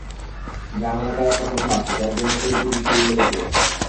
গ্রাম এলাকায় একটা কথা আছে, যার জন্য করি চুরি, সেই বলে চোর।